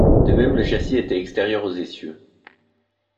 De même le châssis était extérieur aux essieux.